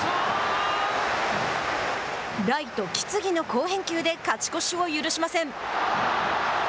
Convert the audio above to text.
ライト、木次の好返球で勝ち越しを許しません。